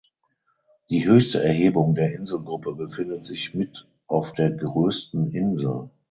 Die höchste Erhebung der Inselgruppe befindet sich mit auf der größten Insel.